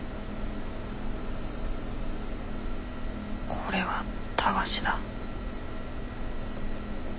これはたわしだ。